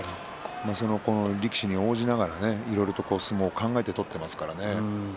その力士に応じながらいろいろと相撲を考えて取っていますからね。